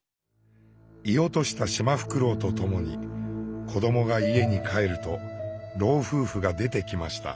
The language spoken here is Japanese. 射落としたシマフクロウと共に子どもが家に帰ると老夫婦が出てきました。